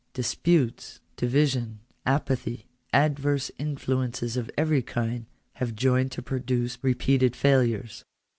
Disputes, divisions, apathy, adverse influences of every kind, have joined to produce repeated failures.